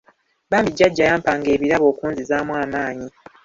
Bambi Jjajja yampanga ebirabo okunzizaamu amaanyi.